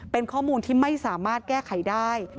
เป็นข้อมูลที่ไม่สามารถแก้ไขได้